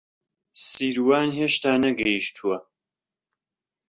سیروان هێشتا نەگەیشتووە.